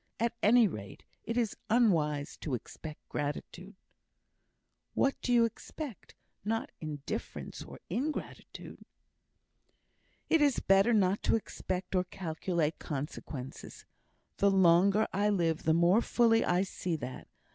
At any rate, it is unwise to expect gratitude." "What do you expect not indifference or ingratitude?" "It is better not to expect or calculate consequences. The longer I live, the more fully I see that.